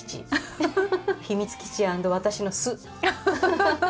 秘密基地アンド私の巣。